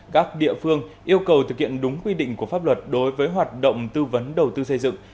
các địa phương yêu cầu thực hiện đúng quy định của pháp luật đối với hoạt động tư vấn đầu tư xây dựng